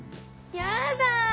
やだ。